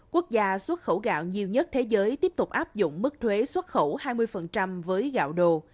quốc gia xuất khẩu gạo nhiều nhất thế giới tiếp tục áp dụng mức thuế xuất khẩu hai mươi với gạo đồ